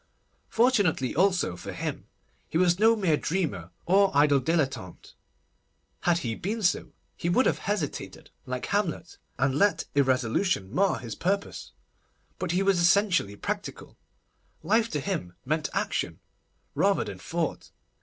Fortunately also, for him, he was no mere dreamer, or idle dilettante. Had he been so, he would have hesitated, like Hamlet, and let irresolution mar his purpose. But he was essentially practical. Life to him meant action, rather than thought.